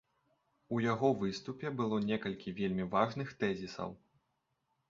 У яго выступе было некалькі вельмі важных тэзісаў.